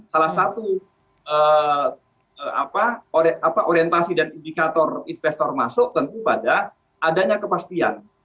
salah satu orientasi dan indikator investor masuk tentu pada adanya kepastian